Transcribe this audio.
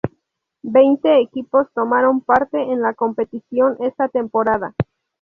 Veinte equipos tomaron parte en la competición esta temporada.